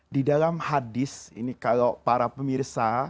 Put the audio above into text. di dalam hadis ini kalau para pemirsa